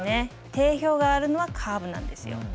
定評があるのはカーブなんですよ。